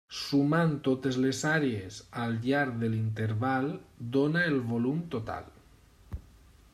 Sumant totes les àrees al llarg de l'interval dóna el volum total.